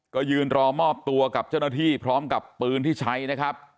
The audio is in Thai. ก็ยืนรอมอบตัวกับเจ้าหน้าที่พร้อมกับปืนที่ใช้นะครับ